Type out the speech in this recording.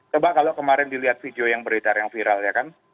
coba kalau kemarin dilihat video yang beredar yang viral ya kan